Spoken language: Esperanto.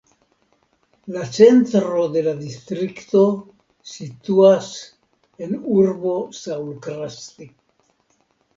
La centro de la distrikto situas en urbo Saulkrasti.